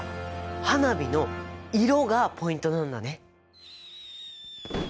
花火の色がポイントなんだね。